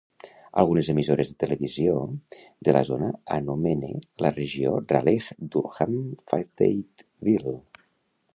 Algunes emissores de televisió de la zona anomene la regió Raleigh-Durham-Fayetteville.